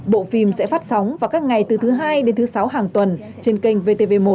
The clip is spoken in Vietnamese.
bộ phim sẽ phát sóng vào các ngày từ thứ hai đến thứ sáu hàng tuần trên kênh vtv một